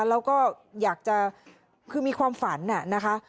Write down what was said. แล้วก็อยากจะคือมีความฝันนะคะ